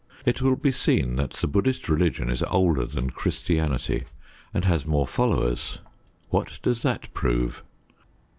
It will be seen that the Buddhist religion is older than Christianity, and has more followers. What does that prove?